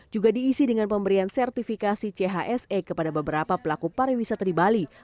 juga diisi dengan pemberian sertifikasi chse kepada beberapa pelaku pariwisata di bali